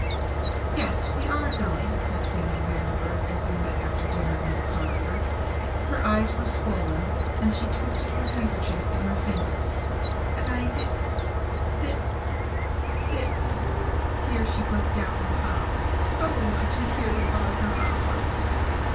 "Yes, we are going," said Fanny Vanderburgh as they met after dinner in the corridor. Her eyes were swollen, and she twisted her handkerchief in her fingers. "And I did did did " here she broke down and sobbed "so want to hear the Wagner operas."